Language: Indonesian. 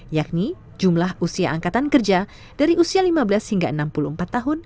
yakni jumlah usia angkatan kerja dari usia lima belas hingga enam puluh empat tahun